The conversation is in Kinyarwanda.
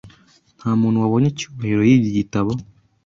Ntamuntu wabonye Cyubahiro yibye igitabo.